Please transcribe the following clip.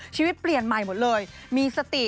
ชีวิตเปลี่ยนใหม่หมดเลยมีสติ